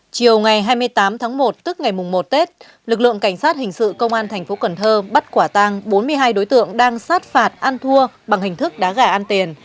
chiều ngày hai mươi tám tháng một tức ngày một tết lực lượng cảnh sát hình sự công an thành phố cần thơ bắt quả tăng bốn mươi hai đối tượng đang sát phạt ăn thua bằng hình thức đá gà ăn tiền